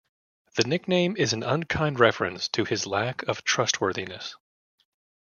The nickname is an unkind reference to his lack of trustworthiness.